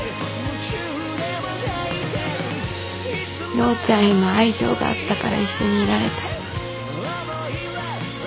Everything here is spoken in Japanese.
陽ちゃんへの愛情があったから一緒にいられた。